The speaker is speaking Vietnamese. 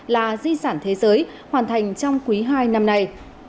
là di sản thế giới hoàn thành trong quý hai năm nay